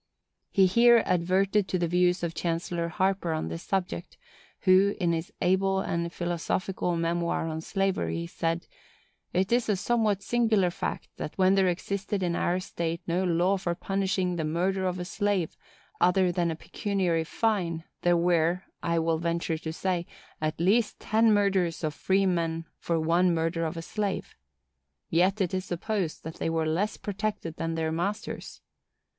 He here adverted to the views of Chancellor Harper on this subject, who, in his able and philosophical memoir on slavery, said: "It is a somewhat singular fact, that when there existed in our state no law for punishing the murder of a slave, other than a pecuniary fine, there were, I will venture to say, at least ten murders of freemen for one murder of a slave. Yet it is supposed that they are less protected than their masters."